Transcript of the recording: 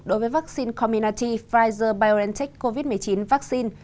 đối với vaccine community pfizer biontech covid một mươi chín vaccine